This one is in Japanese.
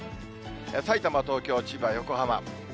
さいたま、東京、千葉、横浜。